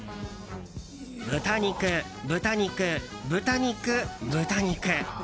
豚肉、豚肉、豚肉、豚肉。